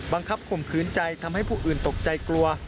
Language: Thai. บังคับคมขืนใจทำให้ผู้อื่นตกใจกลัว